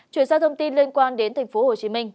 chuyển sang thông tin liên quan đến tp hcm